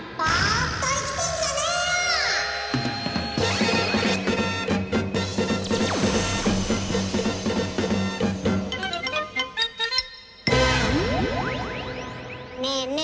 ねえねえ